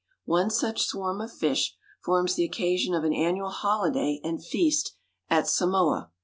One such swarm of fish forms the occasion of an annual holiday and feast at Samoa.